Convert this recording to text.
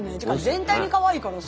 全体的にかわいいからさ。